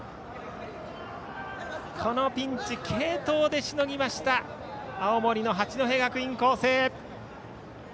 このピンチ、継投でしのいだ青森の八戸学院光星。